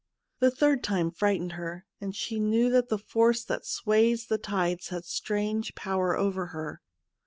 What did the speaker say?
The third time frightened her, and she knew that the force that sways the tides had strange power over her.